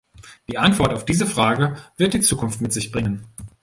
Die Antwort auf diese Frage wird die Zukunft mit sich bringen.